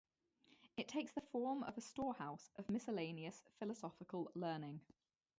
It takes the form of a storehouse of miscellaneous philosophical learning.